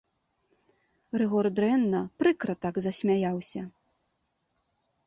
Рыгор дрэнна, прыкра так засмяяўся.